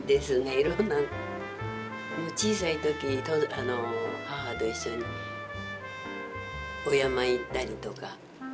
いろんな小さい時母と一緒にお山へ行ったりとか。